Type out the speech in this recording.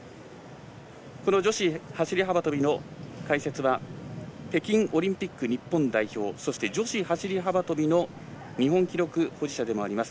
この女子走り幅跳びの解説は北京オリンピック日本代表そして女子走り幅跳びの日本記録保持者でもあります